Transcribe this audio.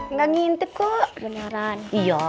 ngintip kok beneran iya